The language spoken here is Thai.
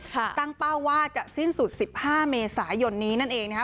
ตั้งเป้าว่าจะสิ้นสุด๑๕เมษายนนี้นั่นเองนะคะ